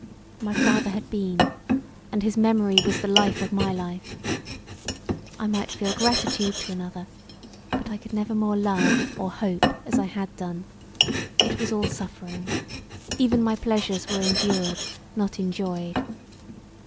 My father had been and his memory was the life of my life. I might feel gratitude to another but I never more could love or hope as I had done; it was all suffering; even my pleasures were endured, not enjoyed.